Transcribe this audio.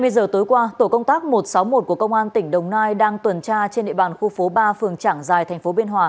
hai mươi giờ tối qua tổ công tác một trăm sáu mươi một của công an tỉnh đồng nai đang tuần tra trên địa bàn khu phố ba phường trảng giài tp biên hòa